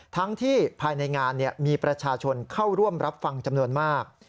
ทั้งที่ภายในงานมีประชาชนเข้าร่วมรับฟังจำนวนมาก